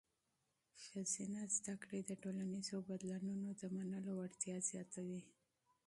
ښځینه تعلیم د ټولنیزو بدلونونو د منلو وړتیا زیاتوي.